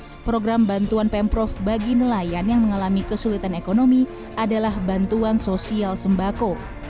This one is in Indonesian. untuk program bantuan pemprov bagi nelayan yang mengalami kesulitan ekonomi adalah bantuan sosial sembako